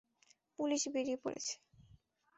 Police বেরিয়ে পড়েছে।